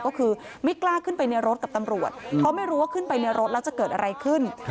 ก็คือไม่กล้าขึ้นไปในรถกับตำรวจเพราะไม่รู้ว่าขึ้นไปในรถแล้วจะเกิดอะไรขึ้น